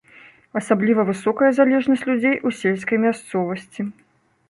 Асабліва высокая залежнасць людзей у сельскай мясцовасці.